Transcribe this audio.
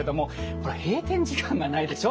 ほら閉店時間がないでしょ？